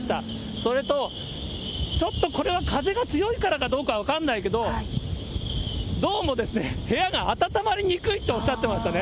それと、ちょっとこれは風が強いからかどうか分かんないけど、どうも部屋が暖まりにくいっておっしゃってましたね。